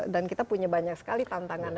kita punya banyak sekali tantangan